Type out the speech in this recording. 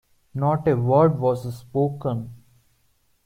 Not a word was spoken.